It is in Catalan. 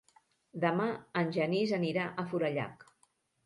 Demà en Genís anirà a Forallac.